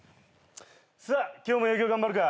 さあ今日も営業頑張るか。